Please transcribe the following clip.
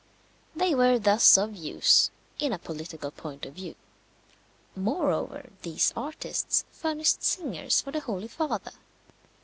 They were thus of use in a political point of view. Moreover these artists furnished singers for the Holy Father.